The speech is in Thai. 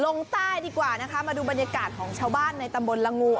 ลงใต้ดีกว่านะคะมาดูบรรยากาศของชาวบ้านในตำบลละงู